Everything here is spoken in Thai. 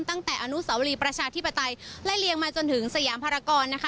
ตั้งแต่อนุสาวรีประชาธิปไตยไล่เลียงมาจนถึงสยามภารกรนะคะ